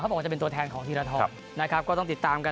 บอกว่าจะเป็นตัวแทนของธีรทรนะครับก็ต้องติดตามกัน